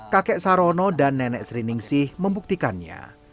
kakek sarono dan nenek sri ningsih membuktikannya